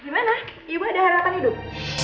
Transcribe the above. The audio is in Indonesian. gimana ibu ada harapan hidup